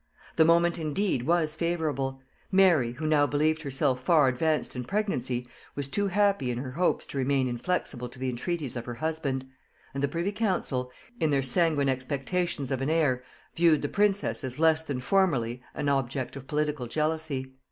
The moment indeed was favorable; Mary, who now believed herself far advanced in pregnancy, was too happy in her hopes to remain inflexible to the entreaties of her husband; and the privy council, in their sanguine expectations of an heir, viewed the princess as less than formerly an object of political jealousy.